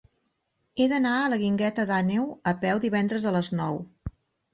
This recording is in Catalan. He d'anar a la Guingueta d'Àneu a peu divendres a les nou.